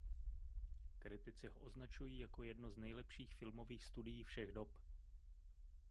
Kritici ho označují jako jedno z nejlepších filmových studií všech dob.